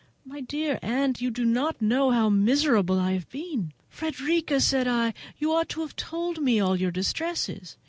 My dear aunt, you do not know how miserable I have been." "Frederica" said I, "you ought to have told me all your distresses.